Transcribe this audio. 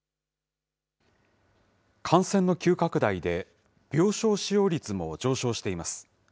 感染の急拡大で、病床使用率も上昇しています。